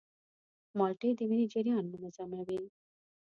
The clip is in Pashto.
مالټې د وینې جریان منظموي.